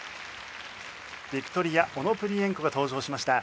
ビクトリア・オノプリエンコが登場しました。